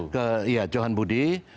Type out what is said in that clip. ke johan budi